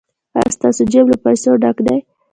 ایا ستاسو جیب له پیسو ډک دی؟